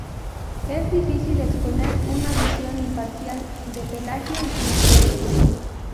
Es difícil exponer una visión imparcial de Pelagio y su influencia.